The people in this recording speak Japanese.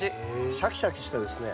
シャキシャキしたですね